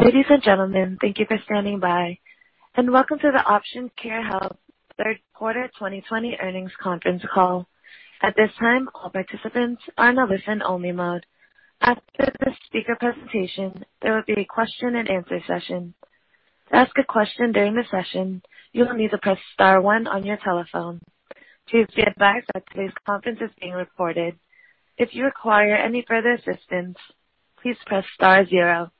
Ladies and gentlemen, thank you for standing by, and welcome to the Option Care Health Third Quarter 2020 Earnings Conference Call. At this time, all participants are in a listen-only mode. After the speaker presentation, there will be a question-and-answer session. To ask a question during the session, you will need to press star one on your telephone. Please be advised that today's conference is being recorded. If you require any further assistance, please press star zero.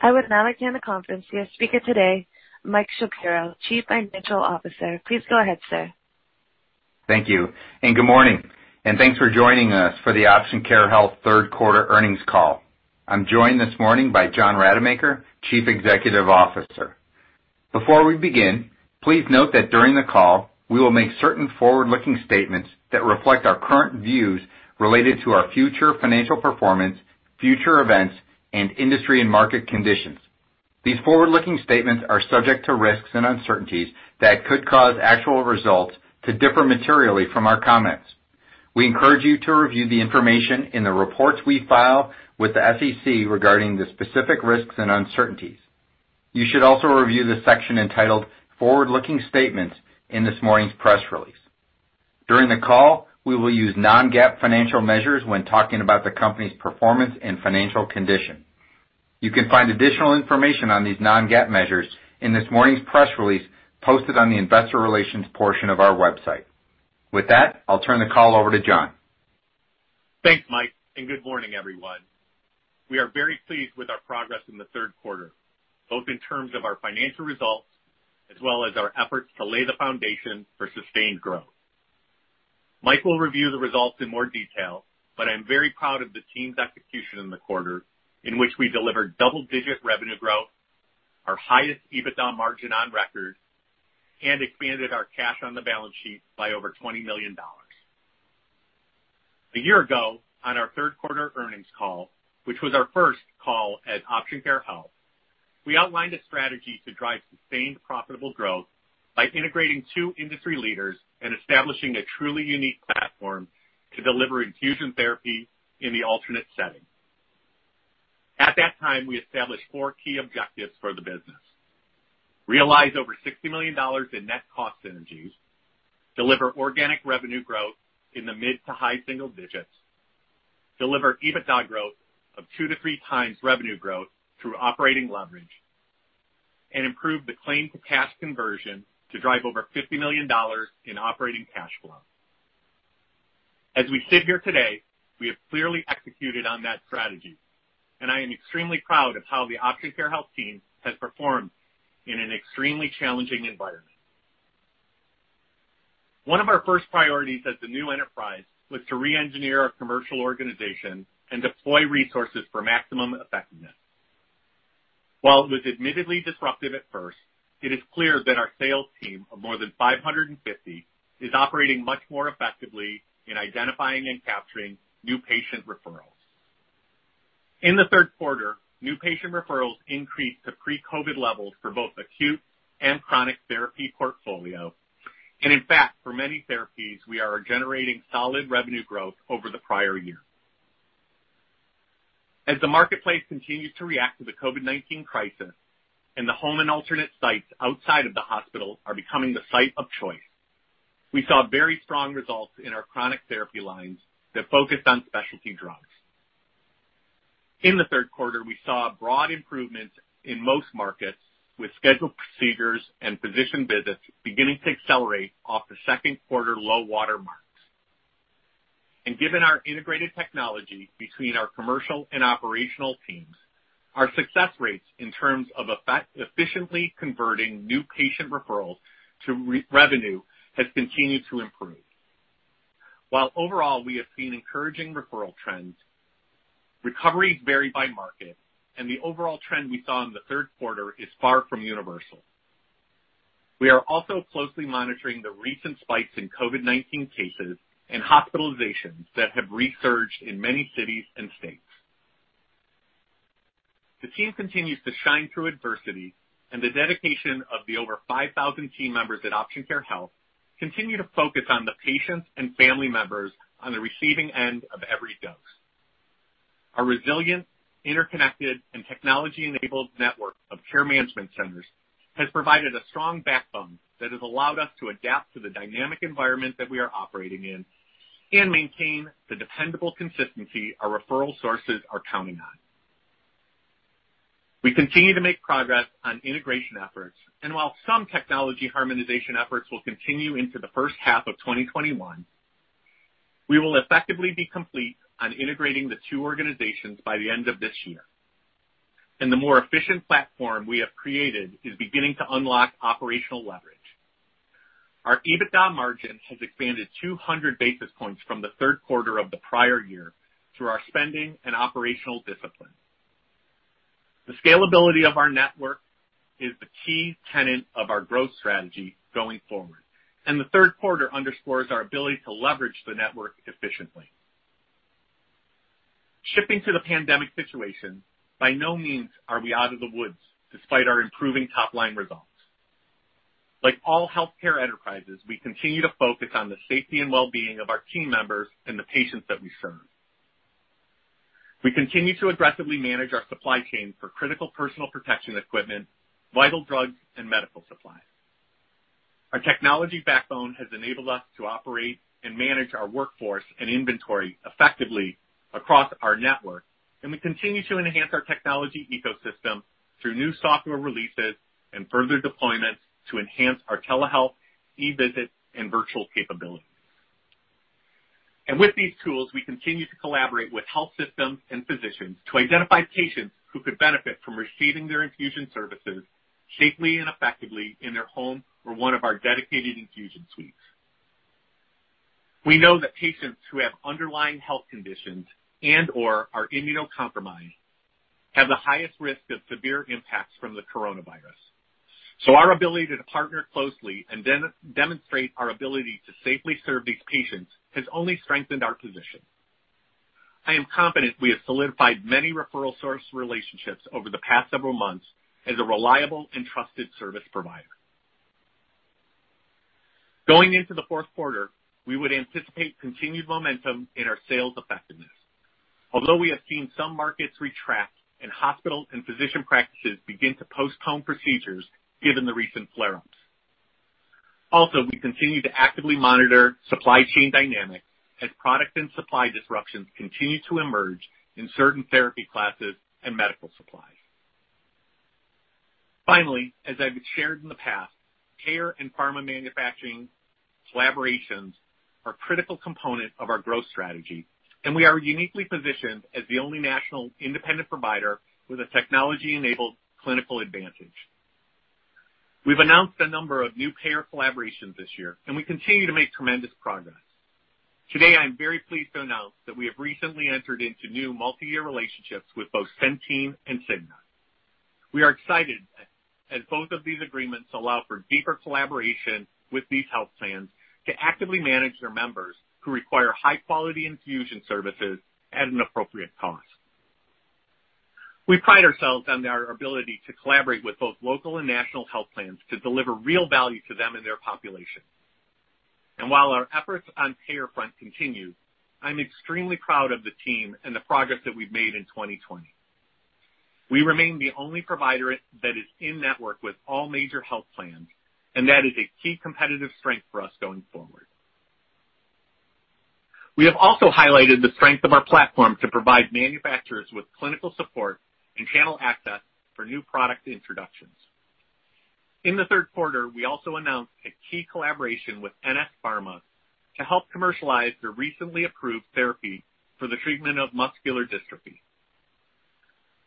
I would now like to hand the conference to your speaker today, Mike Shapiro, Chief Financial Officer. Please go ahead, sir. Thank you. Good morning, and thanks for joining us for the Option Care Health third quarter earnings call. I'm joined this morning by John Rademacher, Chief Executive Officer. Before we begin, please note that during the call, we will make certain forward-looking statements that reflect our current views related to our future financial performance, future events, and industry and market conditions. These forward-looking statements are subject to risks and uncertainties that could cause actual results to differ materially from our comments. We encourage you to review the information in the reports we file with the SEC regarding the specific risks and uncertainties. You should also review the section entitled forward-looking statements in this morning's press release. During the call, we will use non-GAAP financial measures when talking about the company's performance and financial condition. You can find additional information on these non-GAAP measures in this morning's press release posted on the Investor Relations portion of our website. With that, I'll turn the call over to John. Thanks, Mike, and good morning, everyone. We are very pleased with our progress in the third quarter, both in terms of our financial results as well as our efforts to lay the foundation for sustained growth. Mike will review the results in more detail, but I'm very proud of the team's execution in the quarter in which we delivered double-digit revenue growth, our highest EBITDA margin on record, and expanded our cash on the balance sheet by over $20 million. A year ago, on our third quarter earnings call, which was our first call as Option Care Health, we outlined a strategy to drive sustained profitable growth by integrating two industry leaders and establishing a truly unique platform to deliver infusion therapy in the alternate setting. At that time, we established four key objectives for the business: realize over $60 million in net cost synergies, deliver organic revenue growth in the mid to high single digits, deliver EBITDA growth of 2x-3x revenue growth through operating leverage, and improve the claim-to-cash conversion to drive over $50 million in operating cash flow. As we sit here today, we have clearly executed on that strategy, and I am extremely proud of how the Option Care Health team has performed in an extremely challenging environment. One of our first priorities as a new enterprise was to re-engineer our commercial organization and deploy resources for maximum effectiveness. While it was admittedly disruptive at first, it is clear that our sales team of more than 550 is operating much more effectively in identifying and capturing new patient referrals. In the third quarter, new patient referrals increased to pre-COVID levels for both acute and chronic therapy portfolio. In fact, for many therapies, we are generating solid revenue growth over the prior year. As the marketplace continues to react to the COVID-19 crisis and the home and alternate sites outside of the hospital are becoming the site of choice, we saw very strong results in our chronic therapy lines that focused on specialty drugs. In the third quarter, we saw broad improvements in most markets, with scheduled procedures and physician visits beginning to accelerate off the second quarter low water marks. Given our integrated technology between our commercial and operational teams, our success rates in terms of efficiently converting new patient referrals to revenue has continued to improve. While overall we have seen encouraging referral trends, recoveries vary by market, and the overall trend we saw in the third quarter is far from universal. We are also closely monitoring the recent spikes in COVID-19 cases and hospitalizations that have resurged in many cities and states. The team continues to shine through adversity, and the dedication of the over 5,000 team members at Option Care Health continue to focus on the patients and family members on the receiving end of every dose. Our resilient, interconnected, and technology-enabled network of care management centers has provided a strong backbone that has allowed us to adapt to the dynamic environment that we are operating in and maintain the dependable consistency our referral sources are counting on. We continue to make progress on integration efforts, while some technology harmonization efforts will continue into the first half of 2021, we will effectively be complete on integrating the two organizations by the end of this year. The more efficient platform we have created is beginning to unlock operational leverage. Our EBITDA margin has expanded 200 basis points from the third quarter of the prior year through our spending and operational discipline. The scalability of our network is the key tenet of our growth strategy going forward, the third quarter underscores our ability to leverage the network efficiently. Shifting to the pandemic situation, by no means are we out of the woods despite our improving top-line results. Like all healthcare enterprises, we continue to focus on the safety and wellbeing of our team members and the patients that we serve. We continue to aggressively manage our supply chain for critical personal protection equipment, vital drugs, and medical supplies. Our technology backbone has enabled us to operate and manage our workforce and inventory effectively across our network. We continue to enhance our technology ecosystem through new software releases and further deployments to enhance our telehealth, e-visit, and virtual capabilities. With these tools, we continue to collaborate with health systems and physicians to identify patients who could benefit from receiving their infusion services safely and effectively in their home or one of our dedicated infusion suites. We know that patients who have underlying health conditions and/or are immunocompromised have the highest risk of severe impacts from the coronavirus. Our ability to partner closely and demonstrate our ability to safely serve these patients has only strengthened our position. I am confident we have solidified many referral source relationships over the past several months as a reliable and trusted service provider. Going into the fourth quarter, we would anticipate continued momentum in our sales effectiveness. Although we have seen some markets retract and hospital and physician practices begin to postpone procedures given the recent flare-ups. Also, we continue to actively monitor supply chain dynamics as product and supply disruptions continue to emerge in certain therapy classes and medical supplies. Finally, as I've shared in the past, payer and pharma manufacturing collaborations are critical component of our growth strategy, and we are uniquely positioned as the only national independent provider with a technology-enabled clinical advantage. We've announced a number of new payer collaborations this year, and we continue to make tremendous progress. Today, I'm very pleased to announce that we have recently entered into new multi-year relationships with both Centene and Cigna. We are excited as both of these agreements allow for deeper collaboration with these health plans to actively manage their members who require high-quality infusion services at an appropriate cost. We pride ourselves on our ability to collaborate with both local and national health plans to deliver real value to them and their population. While our efforts on payer front continue, I'm extremely proud of the team and the progress that we've made in 2020. We remain the only provider that is in network with all major health plans, and that is a key competitive strength for us going forward. We have also highlighted the strength of our platform to provide manufacturers with clinical support and channel access for new product introductions. In the third quarter, we also announced a key collaboration with NS Pharma to help commercialize their recently approved therapy for the treatment of muscular dystrophy.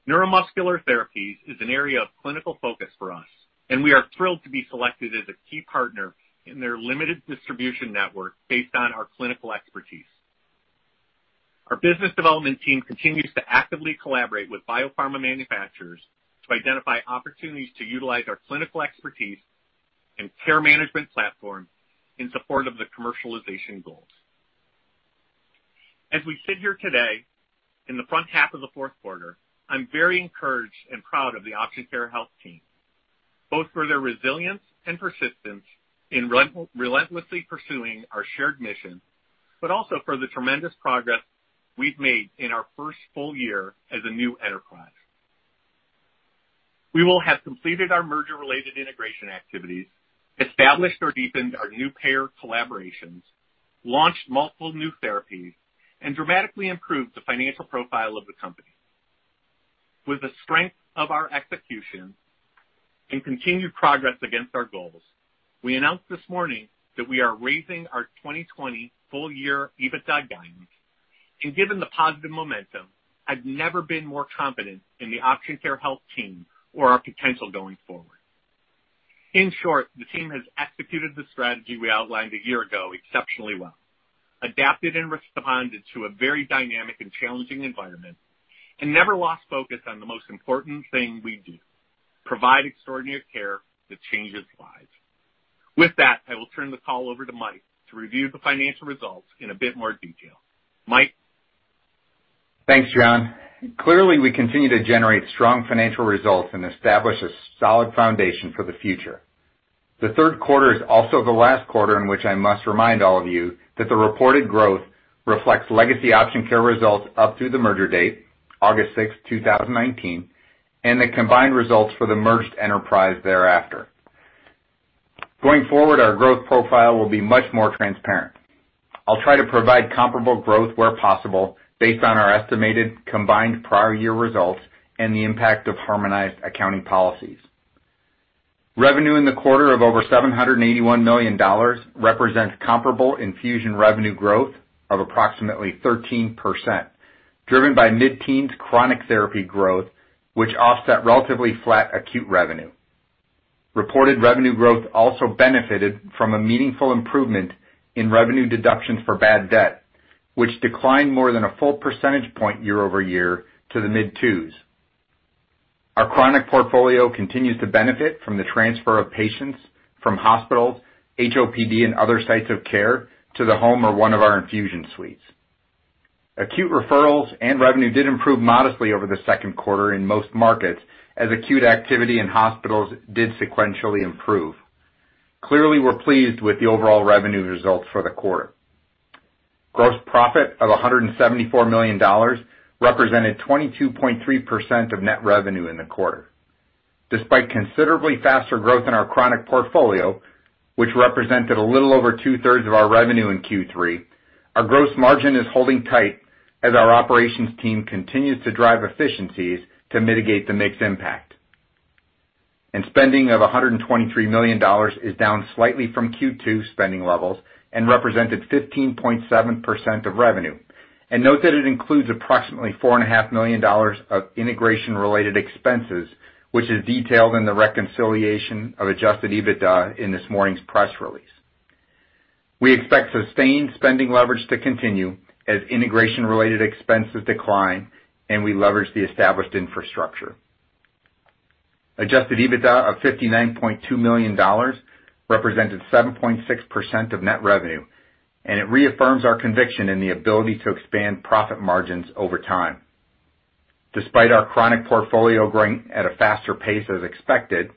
Neuromuscular therapies is an area of clinical focus for us, and we are thrilled to be selected as a key partner in their limited distribution network based on our clinical expertise. Our business development team continues to actively collaborate with biopharma manufacturers to identify opportunities to utilize our clinical expertise and care management platform in support of the commercialization goals. As we sit here today in the front half of the fourth quarter, I'm very encouraged and proud of the Option Care Health team, both for their resilience and persistence in relentlessly pursuing our shared mission, but also for the tremendous progress we've made in our first full year as a new enterprise. We will have completed our merger related integration activities, established or deepened our new payer collaborations, launched multiple new therapies, and dramatically improved the financial profile of the company. With the strength of our execution and continued progress against our goals, we announced this morning that we are raising our 2020 full year EBITDA guidance. Given the positive momentum, I've never been more confident in the Option Care Health team or our potential going forward. In short, the team has executed the strategy we outlined a year ago exceptionally well, adapted and responded to a very dynamic and challenging environment, and never lost focus on the most important thing we do: provide extraordinary care that changes lives. With that, I will turn the call over to Mike to review the financial results in a bit more detail. Mike? Thanks, John. Clearly, we continue to generate strong financial results and establish a solid foundation for the future. The third quarter is also the last quarter in which I must remind all of you that the reported growth reflects legacy Option Care results up through the merger date, August 6th, 2019, and the combined results for the merged enterprise thereafter. Going forward, our growth profile will be much more transparent. I'll try to provide comparable growth where possible based on our estimated combined prior year results and the impact of harmonized accounting policies. Revenue in the quarter of over $781 million represents comparable infusion revenue growth of approximately 13%, driven by mid-teens chronic therapy growth, which offset relatively flat acute revenue. Reported revenue growth also benefited from a meaningful improvement in revenue deductions for bad debt, which declined more than a full percentage point year-over-year to the mid 2s. Our chronic portfolio continues to benefit from the transfer of patients from hospitals, HOPD, and other sites of care to the home or one of our infusion suites. Acute referrals and revenue did improve modestly over the second quarter in most markets, as acute activity in hospitals did sequentially improve. Clearly, we're pleased with the overall revenue results for the quarter. Gross profit of $174 million represented 22.3% of net revenue in the quarter. Despite considerably faster growth in our chronic portfolio, which represented a little over 2/3 of our revenue in Q3, our gross margin is holding tight as our operations team continues to drive efficiencies to mitigate the mix impact. Spending of $123 million is down slightly from Q2 spending levels and represented 15.7% of revenue. Note that it includes approximately $4.5 million of integration related expenses, which is detailed in the reconciliation of adjusted EBITDA in this morning's press release. We expect sustained spending leverage to continue as integration related expenses decline, and we leverage the established infrastructure. Adjusted EBITDA of $59.2 million represented 7.6% of net revenue. It reaffirms our conviction in the ability to expand profit margins over time. Despite our chronic portfolio growing at a faster pace as expected,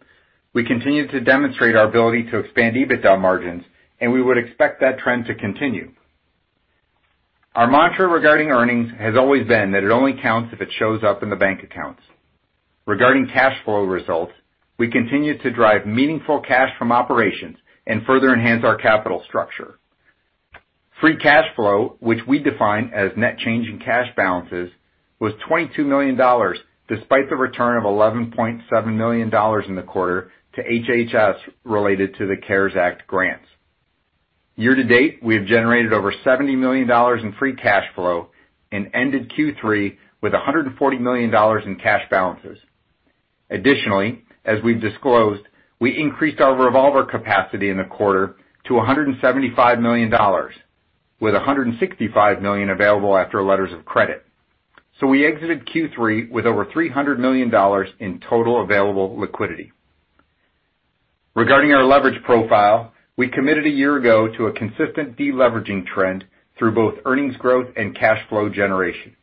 we continue to demonstrate our ability to expand EBITDA margins, and we would expect that trend to continue. Our mantra regarding earnings has always been that it only counts if it shows up in the bank accounts. Regarding cash flow results, we continue to drive meaningful cash from operations and further enhance our capital structure. Free cash flow, which we define as net change in cash balances, was $22 million, despite the return of $11.7 million in the quarter to HHS related to the CARES Act grants. Year-to-date, we have generated over $70 million in free cash flow and ended Q3 with $140 million in cash balances. Additionally, as we've disclosed, we increased our revolver capacity in the quarter to $175 million, with $165 million available after letters of credit. We exited Q3 with over $300 million in total available liquidity. Regarding our leverage profile, we committed a year ago to a consistent deleveraging trend through both earnings growth and cash flow generation.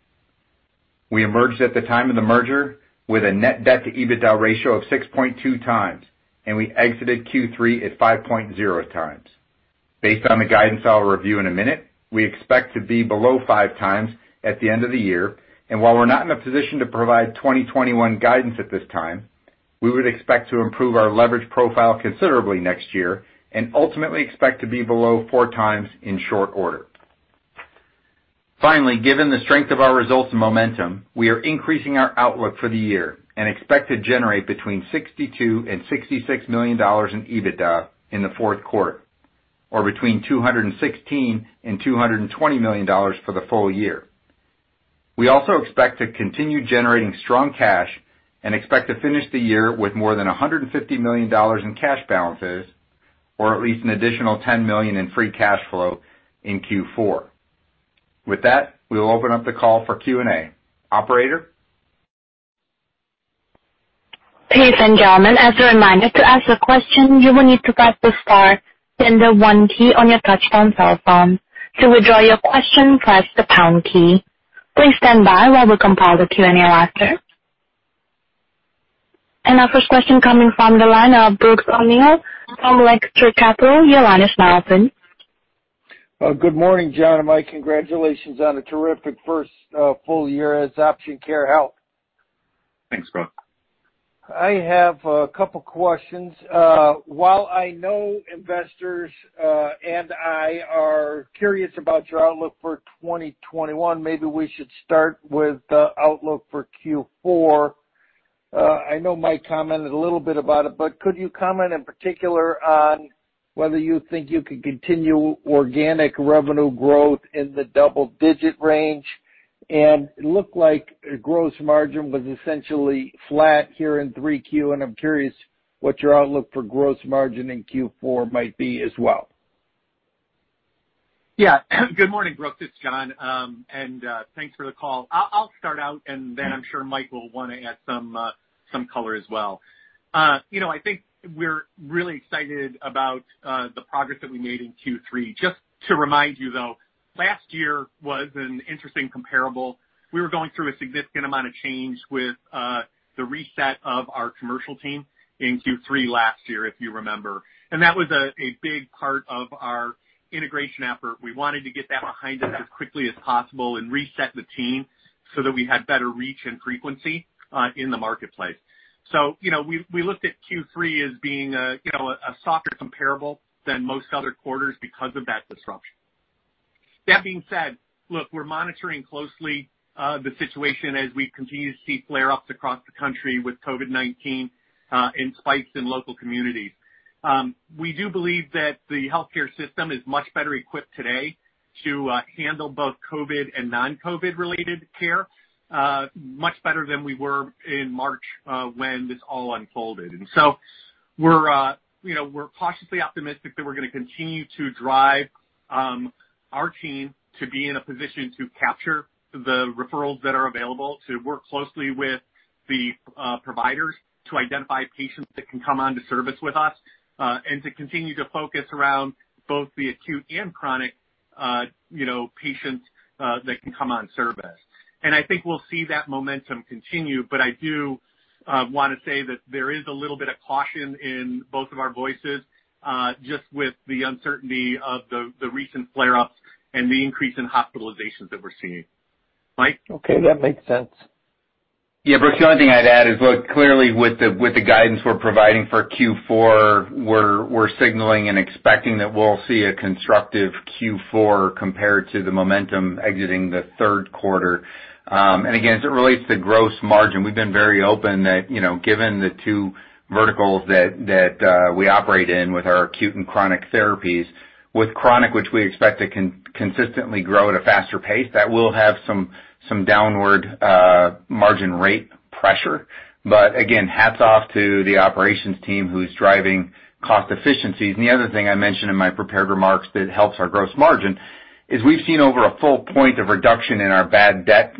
We emerged at the time of the merger with a net debt to EBITDA ratio of 6.2x, and we exited Q3 at 5.0x. Based on the guidance I'll review in a minute, we expect to be below 5x at the end of the year. While we're not in a position to provide 2021 guidance at this time, we would expect to improve our leverage profile considerably next year and ultimately expect to be below 4x in short order. Finally, given the strength of our results and momentum, we are increasing our outlook for the year and expect to generate between $62 million and $66 million in EBITDA in the fourth quarter, or between $216 million and $220 million for the full year. We also expect to continue generating strong cash and expect to finish the year with more than $150 million in cash balances, or at least an additional $10 million in free cash flow in Q4. With that, we will open up the call for Q&A. Operator? Ladies and gentlemen, as a reminder, to ask a question, you will need to press the star then the one key on your touch-tone cell phone. To withdraw your question, press the pound key. Please stand by while we compile the Q&A roster. Our first question coming from the line of Brooks O'Neil from Lake Street Capital. Your line is now open. Good morning, John and Mike. Congratulations on a terrific first full year as Option Care Health. Thanks, Brooks. I have a couple questions. While I know investors and I are curious about your outlook for 2021, maybe we should start with the outlook for Q4. I know Mike commented a little bit about it, but could you comment in particular on whether you think you could continue organic revenue growth in the double-digit range? It looked like gross margin was essentially flat here in 3Q, and I'm curious what your outlook for gross margin in Q4 might be as well. Yeah. Good morning, Brooks. It's John. Thanks for the call. I'll start out, and then I'm sure Mike will want to add some color as well. I think we're really excited about the progress that we made in Q3. Just to remind you, though, last year was an interesting comparable. We were going through a significant amount of change with the reset of our commercial team in Q3 last year, if you remember. That was a big part of our integration effort. We wanted to get that behind us as quickly as possible and reset the team so that we had better reach and frequency in the marketplace. We looked at Q3 as being a softer comparable than most other quarters because of that disruption. That being said, look, we're monitoring closely the situation as we continue to see flare-ups across the country with COVID-19 and spikes in local communities. We do believe that the healthcare system is much better equipped today to handle both COVID and non-COVID related care much better than we were in March when this all unfolded. We're cautiously optimistic that we're going to continue to drive our team to be in a position to capture the referrals that are available, to work closely with the providers to identify patients that can come on to service with us, and to continue to focus around both the acute and chronic patients that can come on service. I think we'll see that momentum continue, but I do want to say that there is a little bit of caution in both of our voices, just with the uncertainty of the recent flare-ups and the increase in hospitalizations that we're seeing. Mike? Okay. That makes sense. Yeah, Brooks, the only thing I'd add is, look, clearly with the guidance we're providing for Q4, we're signaling and expecting that we'll see a constructive Q4 compared to the momentum exiting the third quarter. Again, as it relates to gross margin, we've been very open that, given the two verticals that we operate in with our acute and chronic therapies, with chronic, which we expect to consistently grow at a faster pace, that will have some downward margin rate pressure. Again, hats off to the operations team who's driving cost efficiencies. The other thing I mentioned in my prepared remarks that helps our gross margin is we've seen over a full point of reduction in our bad debt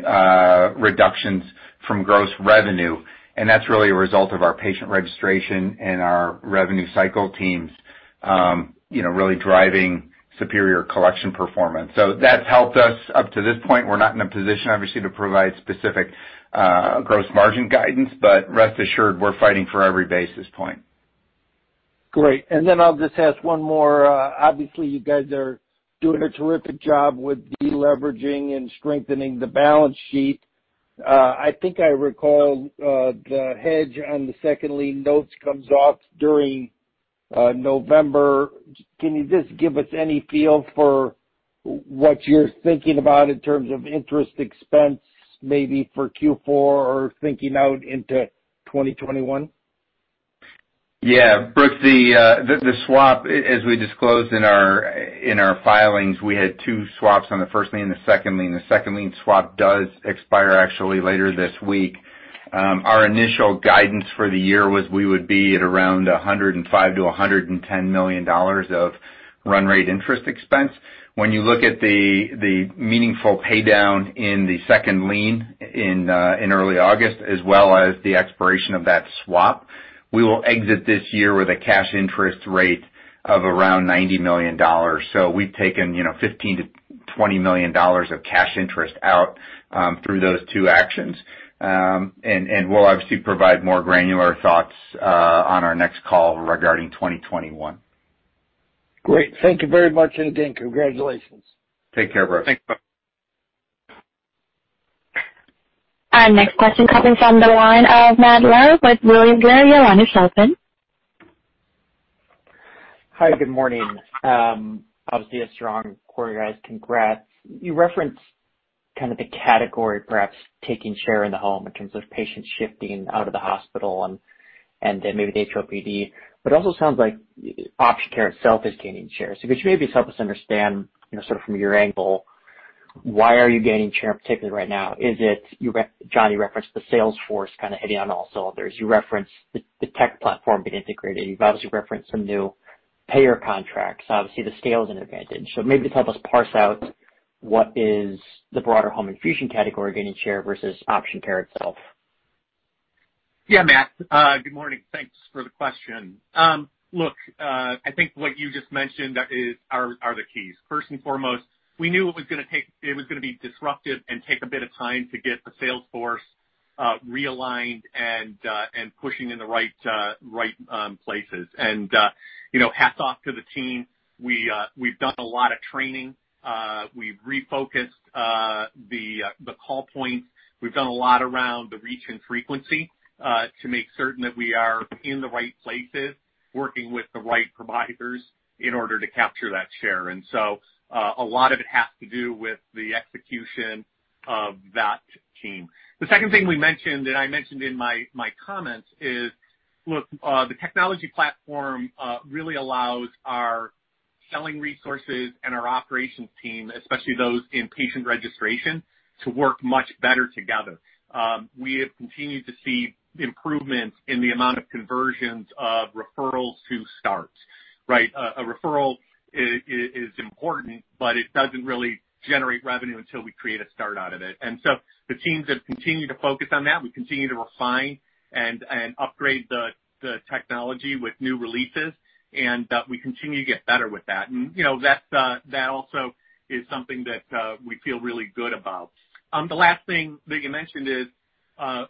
reductions from gross revenue, and that's really a result of our patient registration and our revenue cycle teams really driving superior collection performance. That's helped us up to this point. We're not in a position, obviously, to provide specific gross margin guidance, but rest assured, we're fighting for every basis point. Great. I'll just ask one more. Obviously, you guys are doing a terrific job with de-leveraging and strengthening the balance sheet. I think I recall the hedge on the second lien notes comes off during November. Can you just give us any feel for what you're thinking about in terms of interest expense, maybe for Q4 or thinking out into 2021? Yeah. Brooks, the swap, as we disclosed in our filings, we had two swaps on the first lien and the second lien. The second lien swap does expire actually later this week. Our initial guidance for the year was we would be at around $105 million-$110 million of run rate interest expense. When you look at the meaningful pay down in the second lien in early August, as well as the expiration of that swap, we will exit this year with a cash interest rate of around $90 million. We've taken $15 million-$20 million of cash interest out through those two actions. We'll obviously provide more granular thoughts on our next call regarding 2021. Great. Thank you very much. Again, congratulations. Take care, Brooks. Thanks, Brooks. Our next question coming from the line of Matt Larew with William Blair. Your line is open. Hi, good morning. Obviously, a strong quarter, guys. Congrats. You referenced kind of the category, perhaps taking share in the home in terms of patients shifting out of the hospital and then maybe the HOPD. It also sounds like Option Care itself is gaining shares. If you maybe just help us understand, sort of from your angle, why are you gaining share particularly right now? Is it, John, you referenced the sales force kind of hitting on all cylinders. You referenced the tech platform being integrated. You've obviously referenced some new payer contracts. Obviously, the scale is an advantage. Maybe just help us parse out what is the broader home infusion category gaining share versus Option Care itself. Yeah, Matt. Good morning. Thanks for the question. Look, I think what you just mentioned are the keys. First and foremost, we knew it was going to be disruptive and take a bit of time to get the sales force realigned and pushing in the right places. Hats off to the team. We've done a lot of training. We've refocused the call points. We've done a lot around the reach and frequency, to make certain that we are in the right places, working with the right providers in order to capture that share. A lot of it has to do with the execution of that team. The second thing we mentioned, that I mentioned in my comments is, look, the technology platform really allows our selling resources and our operations team, especially those in patient registration, to work much better together. We have continued to see improvements in the amount of conversions of referrals to starts, right? A referral is important, but it doesn't really generate revenue until we create a start out of it. The teams have continued to focus on that. We continue to refine and upgrade the technology with new releases, and we continue to get better with that. That also is something that we feel really good about. The last thing that you mentioned is,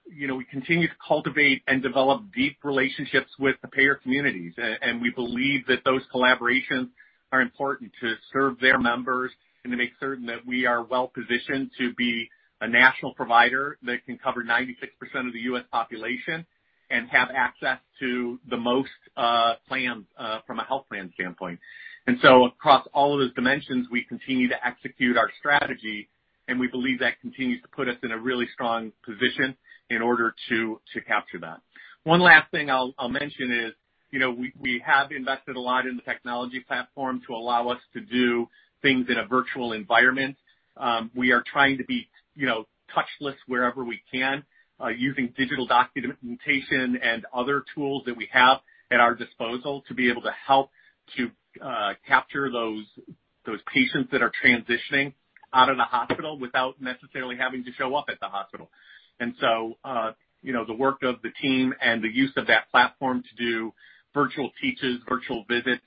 we continue to cultivate and develop deep relationships with the payer communities, and we believe that those collaborations are important to serve their members and to make certain that we are well-positioned to be a national provider that can cover 96% of the U.S. population and have access to the most plans from a health plan standpoint. Across all of those dimensions, we continue to execute our strategy, and we believe that continues to put us in a really strong position in order to capture that. One last thing I'll mention is, we have invested a lot in the technology platform to allow us to do things in a virtual environment. We are trying to be touchless wherever we can, using digital documentation and other tools that we have at our disposal to be able to help to capture those patients that are transitioning out of the hospital without necessarily having to show up at the hospital. The work of the team and the use of that platform to do virtual teaches, virtual visits,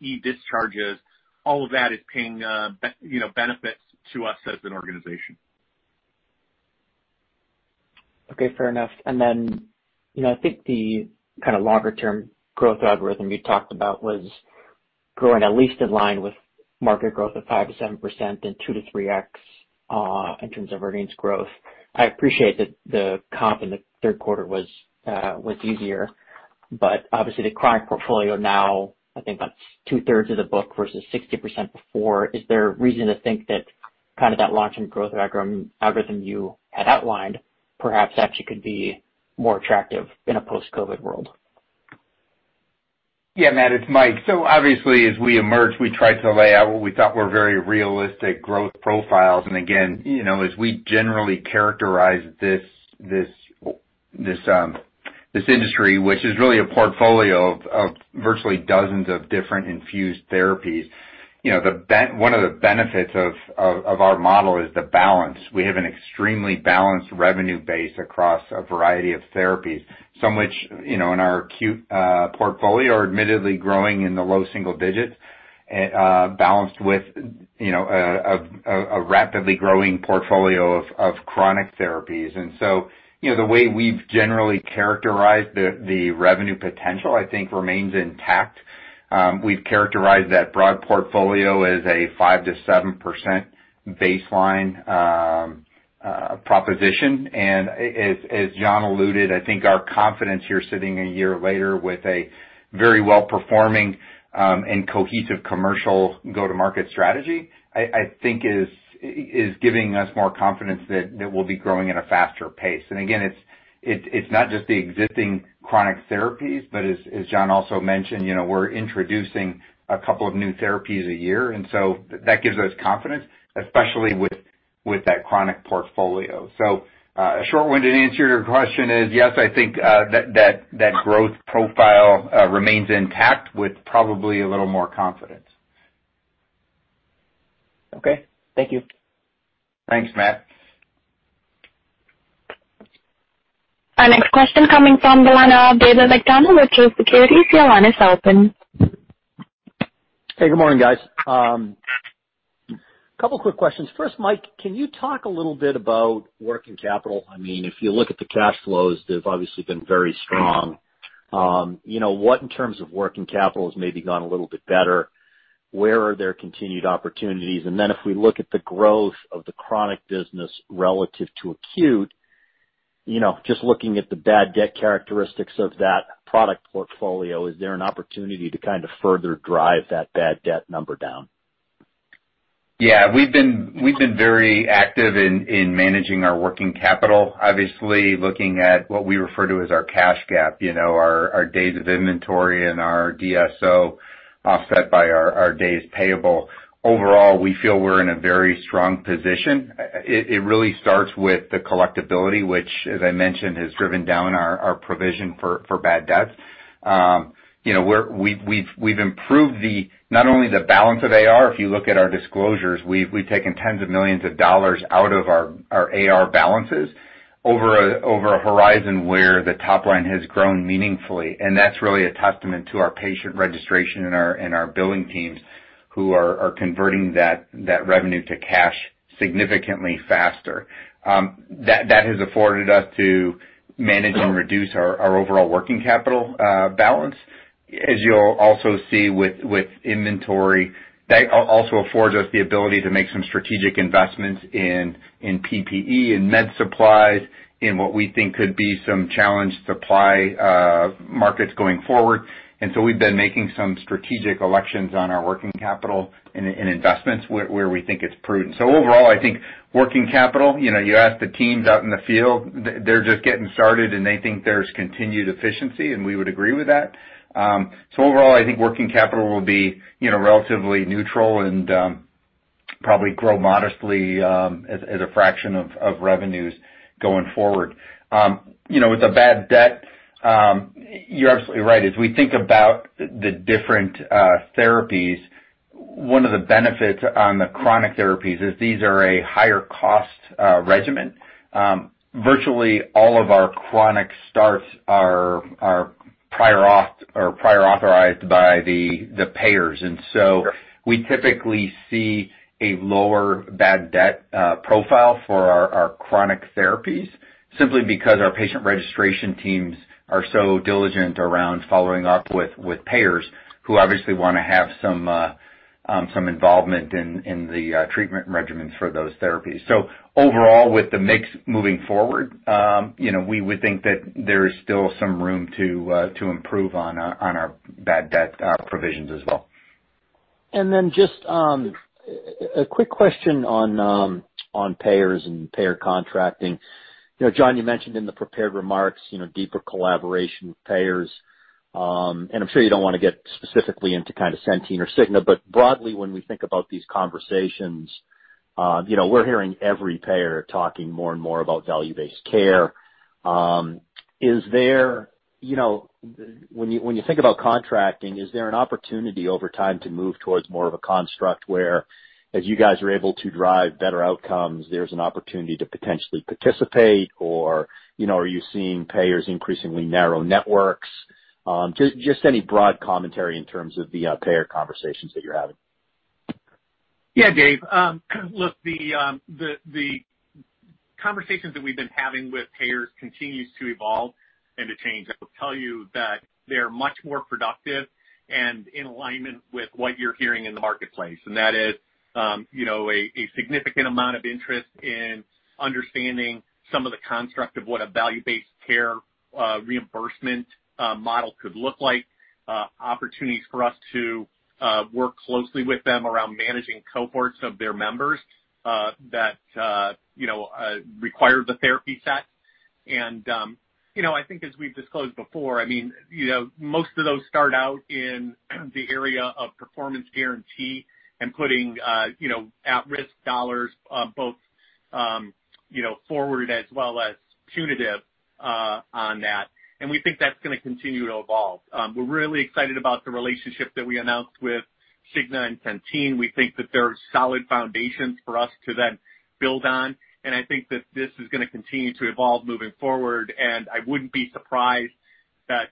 e-discharges, all of that is paying benefits to us as an organization. Okay, fair enough. I think the longer-term growth algorithm you talked about was growing at least in line with market growth of 5%-7% and 2x-3x in terms of earnings growth. I appreciate that the comp in the third quarter was easier, but obviously the chronic portfolio now, I think that's 2/3 of the book versus 60% before. Is there reason to think that kind of that launch and growth algorithm you had outlined perhaps actually could be more attractive in a post-COVID world? Yeah, Matt, it's Mike. Obviously, as we emerged, we tried to lay out what we thought were very realistic growth profiles. Again, as we generally characterize this industry, which is really a portfolio of virtually dozens of different infused therapies, one of the benefits of our model is the balance. We have an extremely balanced revenue base across a variety of therapies. Some which, in our acute portfolio, are admittedly growing in the low single digits, balanced with a rapidly growing portfolio of chronic therapies. The way we've generally characterized the revenue potential, I think, remains intact. We've characterized that broad portfolio as a 5%-7% baseline proposition. As John alluded, I think our confidence here sitting a year later with a very well-performing and cohesive commercial go-to-market strategy, I think is giving us more confidence that we'll be growing at a faster pace. Again, it's not just the existing chronic therapies, but as John also mentioned, we're introducing a couple of new therapies a year, that gives us confidence, especially with that chronic portfolio. A short-winded answer to your question is, yes, I think that growth profile remains intact with probably a little more confidence. Okay. Thank you. Thanks, Matt. Our next question coming from the line of David McDonald with Truist Securities. Your line is open. Hey, good morning, guys. Couple quick questions. First, Mike, can you talk a little bit about working capital? If you look at the cash flows, they've obviously been very strong. What in terms of working capital has maybe gone a little bit better? Where are there continued opportunities? If we look at the growth of the chronic business relative to acute, just looking at the bad debt characteristics of that product portfolio, is there an opportunity to further drive that bad debt number down? Yeah. We've been very active in managing our working capital, obviously looking at what we refer to as our cash gap, our days of inventory and our DSO offset by our days payable. Overall, we feel we're in a very strong position. It really starts with the collectibility, which as I mentioned, has driven down our provision for bad debts. We've improved not only the balance of AR, if you look at our disclosures, we've taken tens of millions of dollars out of our AR balances over a horizon where the top line has grown meaningfully. That's really a testament to our patient registration and our billing teams who are converting that revenue to cash significantly faster. That has afforded us to manage and reduce our overall working capital balance. As you'll also see with inventory, that also affords us the ability to make some strategic investments in PPE and med supplies in what we think could be some challenged supply markets going forward. We've been making some strategic elections on our working capital in investments where we think it's prudent. Overall, I think working capital, you ask the teams out in the field, they're just getting started, and they think there's continued efficiency, and we would agree with that. Overall, I think working capital will be relatively neutral and probably grow modestly as a fraction of revenues going forward. With the bad debt, you're absolutely right. As we think about the different therapies, one of the benefits on the chronic therapies is these are a higher cost regimen. Virtually all of our chronic starts are prior authorized by the payers. We typically see a lower bad debt profile for our chronic therapies simply because our patient registration teams are so diligent around following up with payers who obviously want to have some involvement in the treatment regimens for those therapies. Overall, with the mix moving forward, we would think that there is still some room to improve on our bad debt provisions as well. Just a quick question on payers and payer contracting. John, you mentioned in the prepared remarks, deeper collaboration with payers. I'm sure you don't want to get specifically into kind of Centene or Cigna, but broadly, when we think about these conversations, we're hearing every payer talking more and more about value-based care. When you think about contracting, is there an opportunity over time to move towards more of a construct where, as you guys are able to drive better outcomes, there's an opportunity to potentially participate or are you seeing payers increasingly narrow networks? Just any broad commentary in terms of the payer conversations that you're having. Yeah, Dave. Look, the conversations that we've been having with payers continues to evolve and to change. I will tell you that they're much more productive and in alignment with what you're hearing in the marketplace. That is a significant amount of interest in understanding some of the construct of what a value-based care reimbursement model could look like. Opportunities for us to work closely with them around managing cohorts of their members that require the therapy set. I think as we've disclosed before, most of those start out in the area of performance guarantee and putting at-risk dollars both forward as well as punitive on that. We think that's going to continue to evolve. We're really excited about the relationship that we announced with Cigna and Centene. We think that there are solid foundations for us to then build on, and I think that this is going to continue to evolve moving forward. I wouldn't be surprised that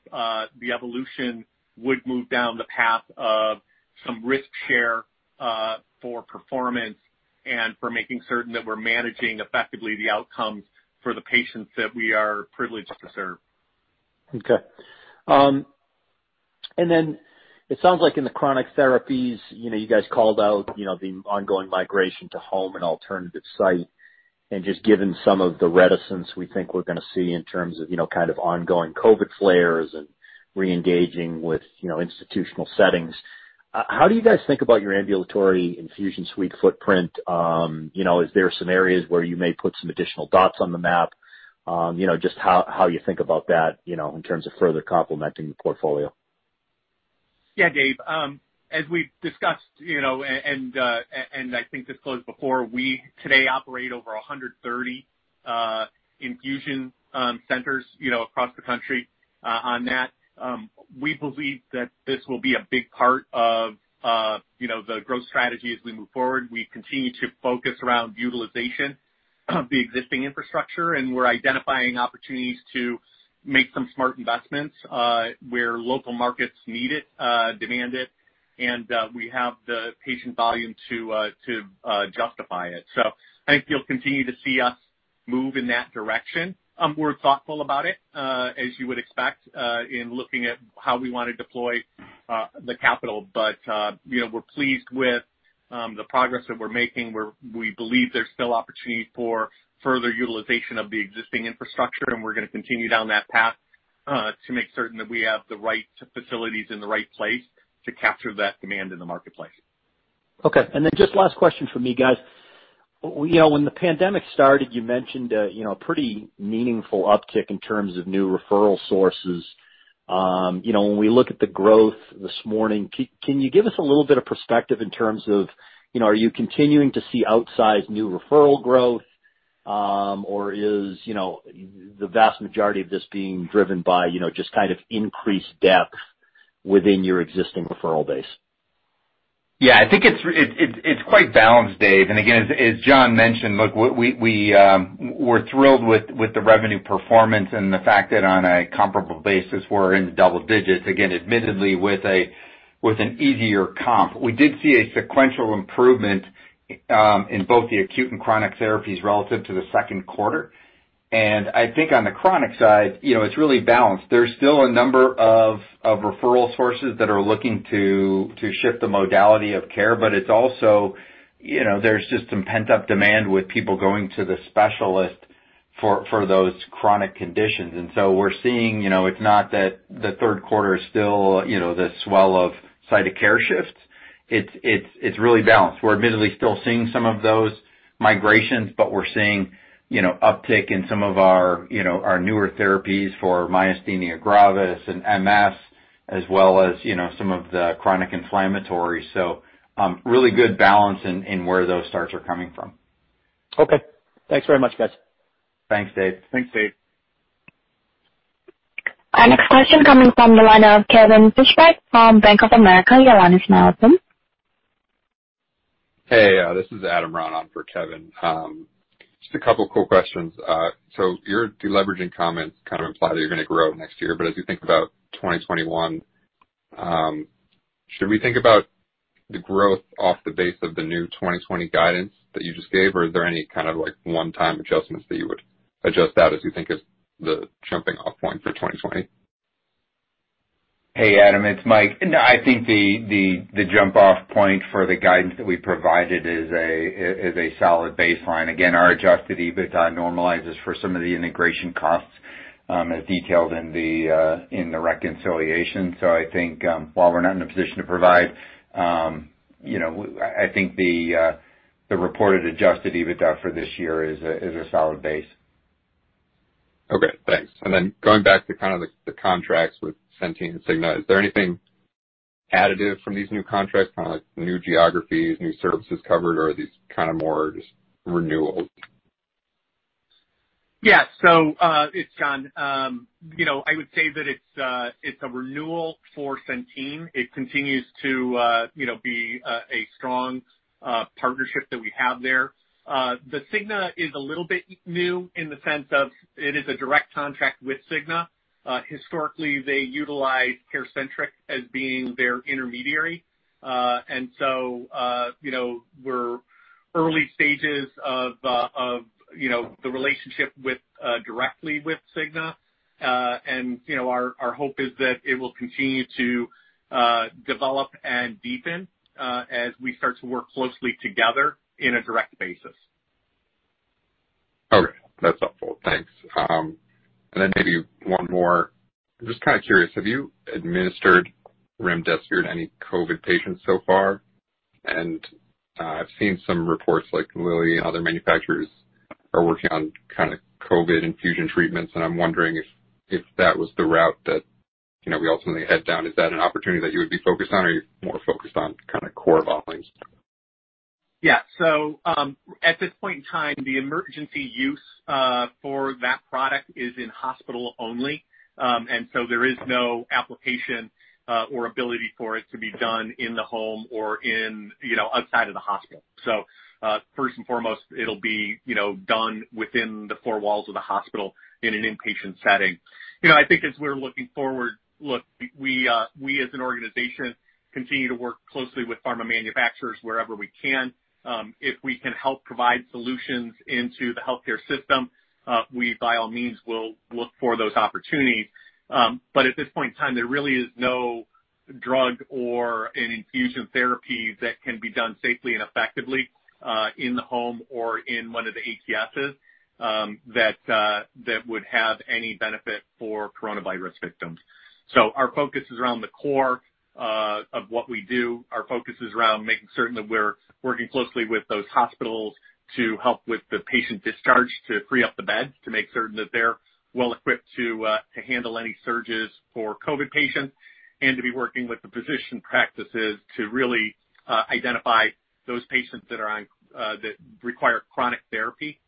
the evolution would move down the path of some risk share for performance and for making certain that we're managing effectively the outcomes for the patients that we are privileged to serve. Okay. It sounds like in the chronic therapies, you guys called out the ongoing migration to home and alternative site. Given some of the reticence we think we're going to see in terms of ongoing COVID flares and re-engaging with institutional settings, how do you guys think about your ambulatory infusion suite footprint? Is there some areas where you may put some additional dots on the map? Just how you think about that in terms of further complementing the portfolio. Dave. As we've discussed, and I think disclosed before, we today operate over 130 infusion centers across the country on that. We believe that this will be a big part of the growth strategy as we move forward. We continue to focus around utilization of the existing infrastructure, and we're identifying opportunities to make some smart investments where local markets need it, demand it, and we have the patient volume to justify it. I think you'll continue to see us move in that direction. We're thoughtful about it, as you would expect, in looking at how we want to deploy the capital. We're pleased with the progress that we're making, we believe there's still opportunity for further utilization of the existing infrastructure, and we're going to continue down that path to make certain that we have the right facilities in the right place to capture that demand in the marketplace. Okay. Just last question from me, guys. When the pandemic started, you mentioned a pretty meaningful uptick in terms of new referral sources. When we look at the growth this morning, can you give us a little bit of perspective in terms of are you continuing to see outsized new referral growth? Or is the vast majority of this being driven by just increased depth within your existing referral base? Yeah, I think it's quite balanced, Dave. Again, as John mentioned, look, we're thrilled with the revenue performance and the fact that on a comparable basis, we're in the double digits. Admittedly, with an easier comp. We did see a sequential improvement in both the acute and chronic therapies relative to the second quarter. I think on the chronic side, it's really balanced. There's still a number of referral sources that are looking to shift the modality of care, but it's also there's just some pent-up demand with people going to the specialist for those chronic conditions. We're seeing, it's not that the third quarter is still the swell of site of care shifts. It's really balanced. We're admittedly still seeing some of those migrations, we're seeing uptick in some of our newer therapies for myasthenia gravis and MS, as well as some of the chronic inflammatory. Really good balance in where those starts are coming from. Okay. Thanks very much, guys. Thanks, Dave. Thanks, Dave. Our next question coming from the line of Kevin Fischbeck from Bank of America. Your line is now open. This is Adam Ron on for Kevin. Just a couple of quick questions. Your deleveraging comments kind of imply that you're going to grow next year, but as you think about 2021, should we think about the growth off the base of the new 2020 guidance that you just gave? Is there any kind of one-time adjustments that you would adjust out as you think is the jumping-off point for 2020? Hey, Adam, it's Mike. No, I think the jump-off point for the guidance that we provided is a solid baseline. Again, our adjusted EBITDA normalizes for some of the integration costs as detailed in the reconciliation. I think while we're not in a position to provide, I think the reported adjusted EBITDA for this year is a solid base. Okay, thanks. Going back to kind of the contracts with Centene and Cigna, is there anything additive from these new contracts, kind of like new geographies, new services covered, or are these kind of more just renewals? Yeah. It's John. I would say that it's a renewal for Centene. It continues to be a strong partnership that we have there. The Cigna is a little bit new in the sense of it is a direct contract with Cigna. Historically, they utilize CareCentrix as being their intermediary. We're early stages of the relationship directly with Cigna. Our hope is that it will continue to develop and deepen, as we start to work closely together in a direct basis. Okay. That's helpful. Thanks. Then maybe one more. Just kind of curious, have you administered remdesivir to any COVID patients so far? I've seen some reports like Lilly and other manufacturers are working on kind of COVID infusion treatments, and I'm wondering if that was the route that we ultimately head down. Is that an opportunity that you would be focused on, or are you more focused on kind of core volumes? Yeah. At this point in time, the emergency use for that product is in hospital only. There is no application or ability for it to be done in the home or outside of the hospital. First and foremost, it'll be done within the four walls of the hospital in an inpatient setting. I think as we're looking forward, look, we as an organization continue to work closely with pharma manufacturers wherever we can. If we can help provide solutions into the healthcare system, we, by all means, will look for those opportunities. At this point in time, there really is no drug or an infusion therapy that can be done safely and effectively, in the home or in one of the ATSs, that would have any benefit for coronavirus victims. Our focus is around the core of what we do. Our focus is around making certain that we're working closely with those hospitals to help with the patient discharge, to free up the beds, to make certain that they're well equipped to handle any surges for COVID patients, and to be working with the physician practices to really identify those patients that require chronic therapy,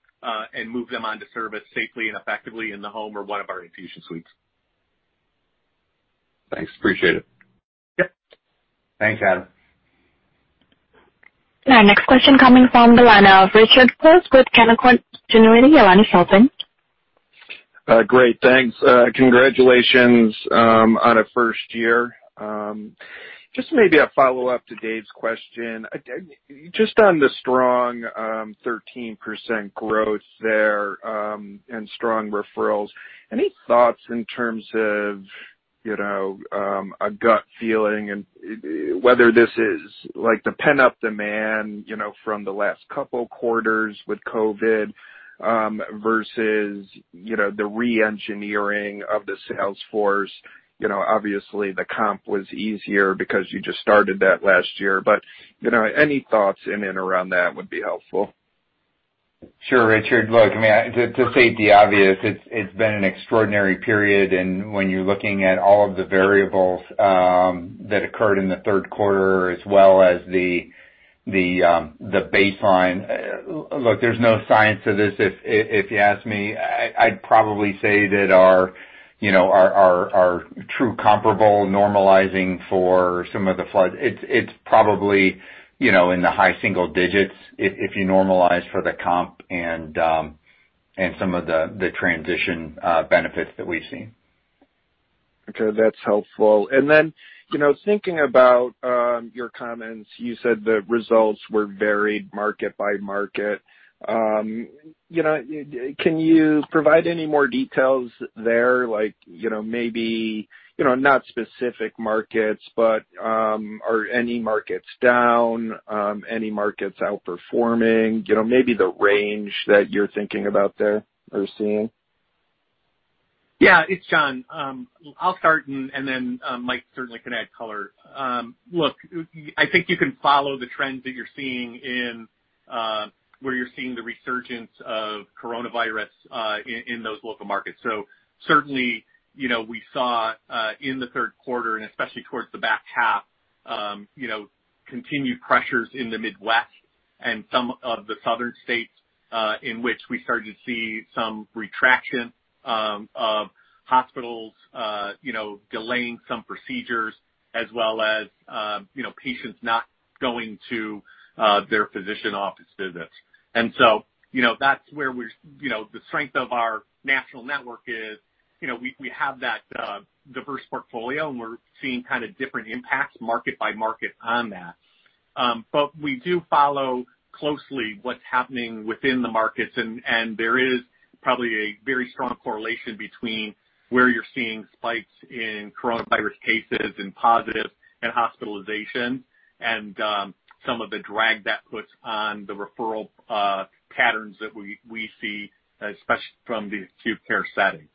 and move them on to service safely and effectively in the home or one of our infusion suites. Thanks. Appreciate it. Yes. Thanks, Adam. Our next question coming from the line of Richard Close with Canaccord Genuity. Your line is open. Great, thanks. Congratulations on a first year. Maybe a follow-up to Dave's question. On the strong 13% growth there, and strong referrals, any thoughts in terms of a gut feeling and whether this is like the pent-up demand from the last couple quarters with COVID, versus the re-engineering of the sales force? Obviously, the comp was easier because you just started that last year. Any thoughts in and around that would be helpful. Sure, Richard. Look, to state the obvious, it's been an extraordinary period, and when you're looking at all of the variables that occurred in the third quarter as well as the baseline. Look, there's no science to this if you ask me. I'd probably say that our true comparable normalizing for some of the flood, it's probably in the high single digits if you normalize for the comp and some of the transition benefits that we've seen. Okay. That's helpful. Thinking about your comments, you said the results were varied market-by-market. Can you provide any more details there? Like, maybe, not specific markets, but are any markets down? Any markets outperforming? Maybe the range that you're thinking about there or seeing. Yeah. It's John. I'll start and then Mike certainly can add color. Look, I think you can follow the trends where you're seeing the resurgence of coronavirus in those local markets. Certainly, we saw in the third quarter, and especially towards the back half, continued pressures in the Midwest and some of the southern states, in which we started to see some retraction of hospitals delaying some procedures as well as patients not going to their physician office visits. That's where the strength of our national network is. We have that diverse portfolio, and we're seeing kind of different impacts market-by-market on that. We do follow closely what's happening within the markets, and there is probably a very strong correlation between where you're seeing spikes in coronavirus cases and positives and hospitalizations and some of the drag that puts on the referral patterns that we see, especially from the acute care settings.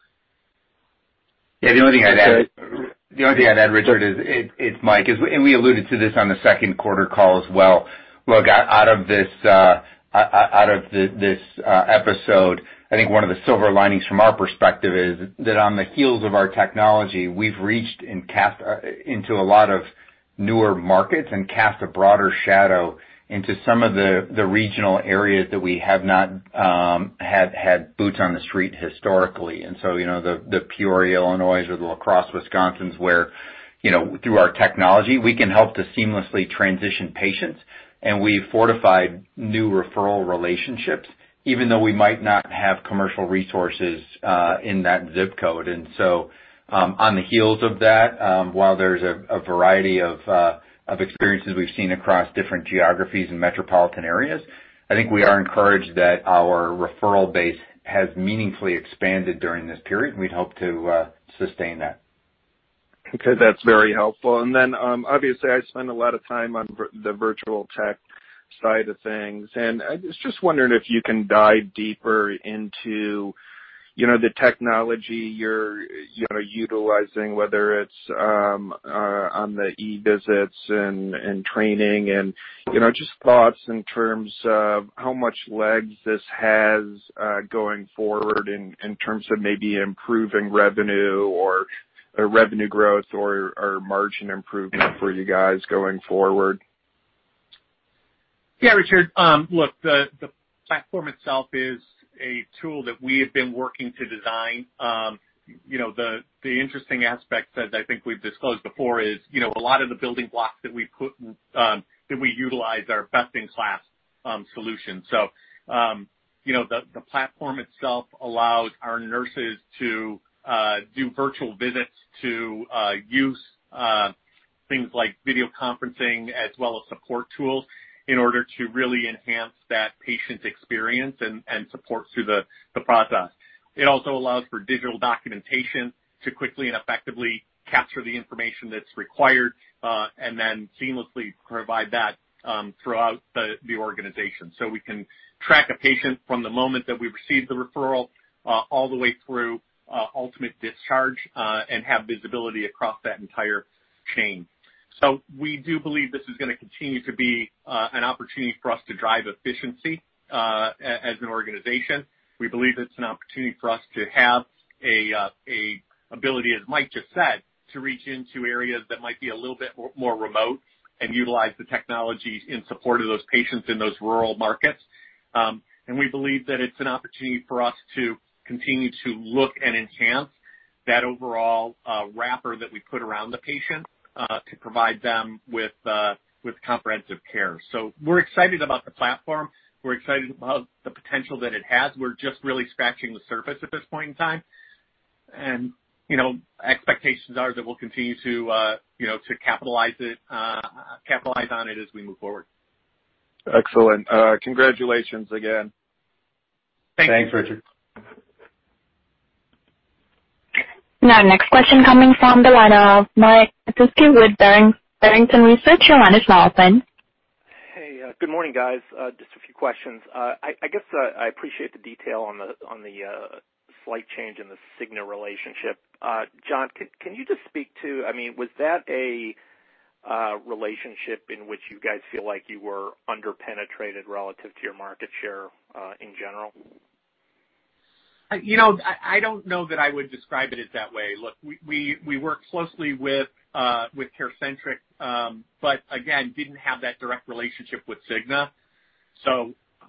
The only thing I'd add, Richard, it's Mike. We alluded to this on the second quarter call as well. Look, out of this episode, I think one of the silver linings from our perspective is that on the heels of our technology, we've reached into a lot of newer markets and cast a broader shadow into some of the regional areas that we have not had boots on the street historically. The Peoria, Illinois or the La Crosse, Wisconsin, where through our technology, we can help to seamlessly transition patients, and we've fortified new referral relationships, even though we might not have commercial resources in that ZIP code. On the heels of that, while there's a variety of experiences we've seen across different geographies and metropolitan areas, I think we are encouraged that our referral base has meaningfully expanded during this period, and we'd hope to sustain that. Okay. That's very helpful. Obviously, I spend a lot of time on the virtual tech side of things, I was just wondering if you can dive deeper into the technology you're utilizing, whether it's on the e-visits and training and just thoughts in terms of how much legs this has going forward in terms of maybe improving revenue or revenue growth or margin improvement for you guys going forward. Yeah, Richard. Look, the platform itself is a tool that we have been working to design. The interesting aspects that I think we've disclosed before is a lot of the building blocks that we utilize are best-in-class solutions. The platform itself allows our nurses to do virtual visits, to use things like video conferencing as well as support tools in order to really enhance that patient experience and support through the process. It also allows for digital documentation to quickly and effectively capture the information that's required, and then seamlessly provide that throughout the organization. We can track a patient from the moment that we receive the referral all the way through ultimate discharge, and have visibility across that entire chain. We do believe this is going to continue to be an opportunity for us to drive efficiency as an organization. We believe it's an opportunity for us to have an ability, as Mike just said, to reach into areas that might be a little bit more remote and utilize the technology in support of those patients in those rural markets. We believe that it's an opportunity for us to continue to look and enhance that overall wrapper that we put around the patient, to provide them with comprehensive care. We're excited about the platform. We're excited about the potential that it has. We're just really scratching the surface at this point in time. Expectations are that we'll continue to capitalize on it as we move forward. Excellent. Congratulations again. Thank you. Thanks, Richard. Now, next question coming from the line of Mike Petusky with Barrington Research. Your line is now open. Hey, good morning, guys. Just a few questions. I guess I appreciate the detail on the slight change in the Cigna relationship. John, can you just speak to, was that a relationship in which you guys feel like you were under-penetrated relative to your market share, in general? I don't know that I would describe it that way. Look, we work closely with CareCentrix, again, didn't have that direct relationship with Cigna.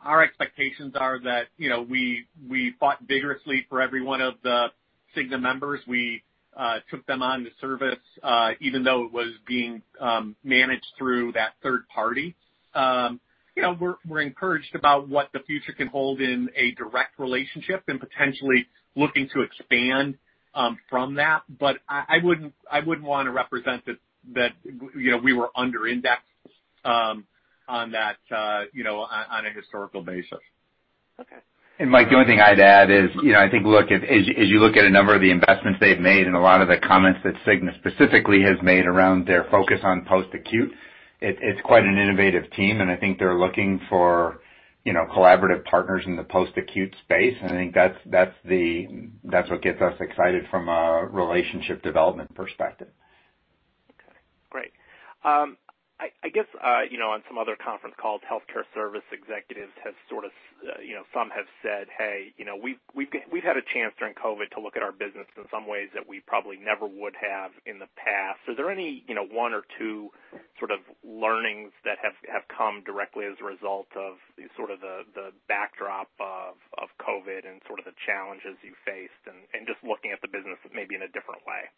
Our expectations are that we fought vigorously for every one of the Cigna members. We took them on to service, even though it was being managed through that third party. We're encouraged about what the future can hold in a direct relationship and potentially looking to expand from that. I wouldn't want to represent that we were under indexed on a historical basis. Okay. Mike, the only thing I'd add is I think, look, as you look at a number of the investments they've made and a lot of the comments that Cigna specifically has made around their focus on post-acute, it's quite an innovative team, and I think they're looking for collaborative partners in the post-acute space. I think that's what gets us excited from a relationship development perspective. Okay, great. I guess on some other conference calls, healthcare service executives some have said, "Hey, we've had a chance during COVID to look at our business in some ways that we probably never would have in the past." Is there any one or two learnings that have come directly as a result of the backdrop of COVID and the challenges you faced and just looking at the business maybe in a different way?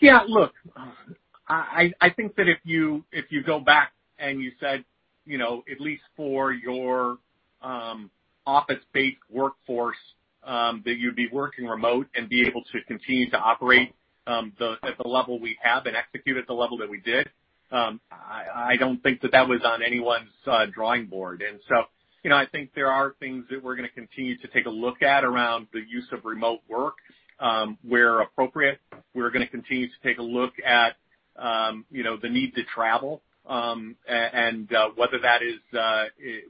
Yeah, look, I think that if you go back and you said, at least for your office-based workforce, that you'd be working remote and be able to continue to operate at the level we have and execute at the level that we did, I don't think that that was on anyone's drawing board. I think there are things that we're going to continue to take a look at around the use of remote work where appropriate. We're going to continue to take a look at the need to travel, and whether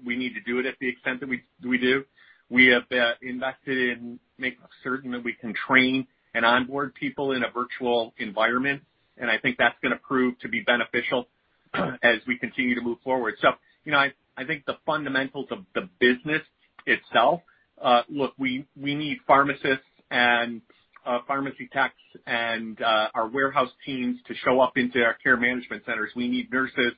we need to do it at the extent that we do. We have invested in making certain that we can train and onboard people in a virtual environment, and I think that's going to prove to be beneficial as we continue to move forward. I think the fundamentals of the business itself, look, we need pharmacists and pharmacy techs and our warehouse teams to show up into our care management centers. We need nurses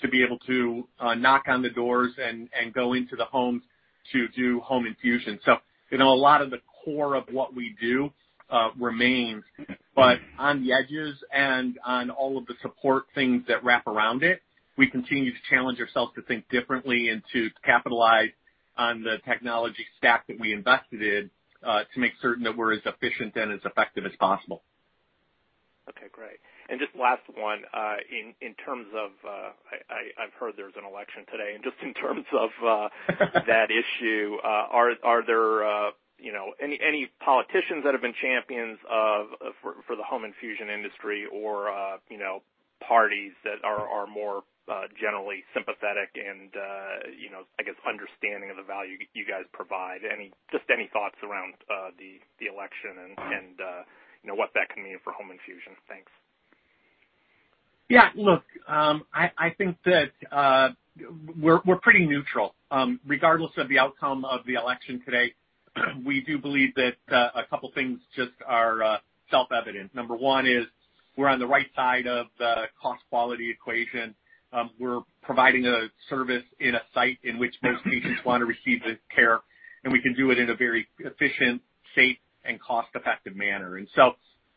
to be able to knock on the doors and go into the homes to do home infusion. A lot of the core of what we do remains, but on the edges and on all of the support things that wrap around it, we continue to challenge ourselves to think differently and to capitalize on the technology stack that we invested in to make certain that we're as efficient and as effective as possible. Okay, great. Just last one. I've heard there's an election today, and just in terms of that issue, are there any politicians that have been champions for the home infusion industry or parties that are more generally sympathetic and, I guess, understanding of the value you guys provide? Just any thoughts around the election and what that can mean for home infusion. Thanks. Yeah. Look, I think that we're pretty neutral. Regardless of the outcome of the election today, we do believe that a couple of things just are self-evident. Number one is we're on the right side of the cost-quality equation. We're providing a service in a site in which most patients want to receive the care, and we can do it in a very efficient, safe, and cost-effective manner.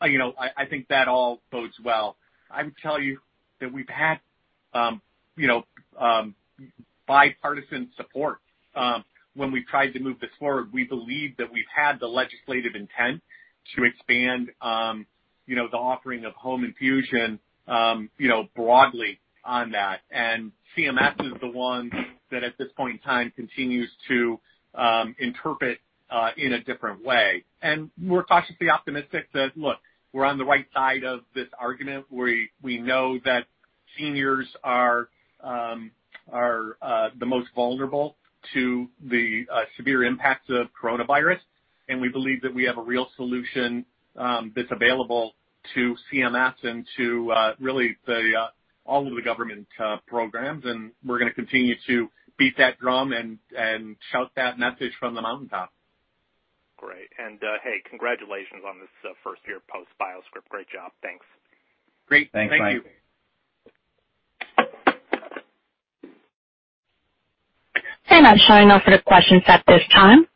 I think that all bodes well. I would tell you that we've had bipartisan support when we've tried to move this forward. We believe that we've had the legislative intent to expand the offering of home infusion broadly on that. CMS is the one that at this point in time continues to interpret in a different way. We're cautiously optimistic that, look, we're on the right side of this argument. We know that seniors are the most vulnerable to the severe impacts of coronavirus. We believe that we have a real solution that's available to CMS and to really all of the government programs. We're going to continue to beat that drum and shout that message from the mountaintop. Great. Hey, congratulations on this first year post BioScrip. Great job. Thanks. Great. Thank you. Thanks, Mike. That's all for the questions at this time.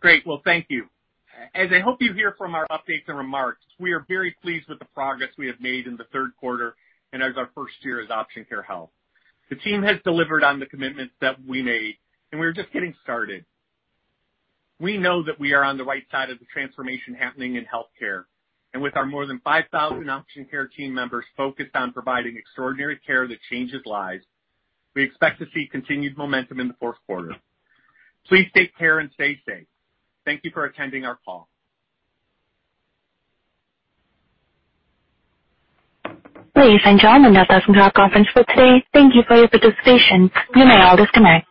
Great. Well, thank you. As I hope you hear from our updates and remarks, we are very pleased with the progress we have made in the third quarter and as our first year as Option Care Health. The team has delivered on the commitments that we made, and we're just getting started. We know that we are on the right side of the transformation happening in healthcare. With our more than 5,000 Option Care team members focused on providing extraordinary care that changes lives, we expect to see continued momentum in the fourth quarter. Please take care and stay safe. Thank you for attending our call. Ladies and gentlemen, that does conclude our conference for today. Thank you for your participation. You may now disconnect.